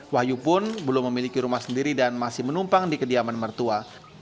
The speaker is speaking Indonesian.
wahyu pun belum memiliki rumah sendiri dan masih menumpang di kediaman mertua